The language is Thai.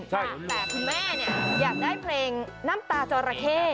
แต่คุณแม่เนี่ยอยากได้เพลงน้ำตาจอราเข้